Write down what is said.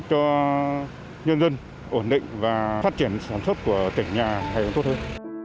cho nhân dân ổn định và phát triển sản xuất của tỉnh nhà hay hơn tốt hơn